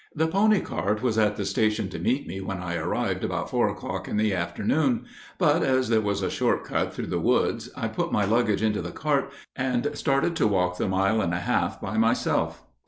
The pony cart was at the station to meet me when I arrived about four o'clock in the afternoon; but as there was a short cut through the woods, I put my luggage into the cart, and started to walk the mile and a half by myself.